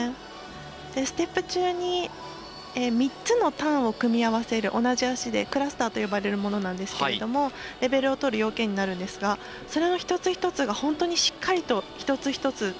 ステップ中に３つのターンを組み合わせる同じ足でクラスターと呼ばれるものなんですがレベルをとる要件になるんですがそれの一つ一つが本当にしっかりと一つ一つ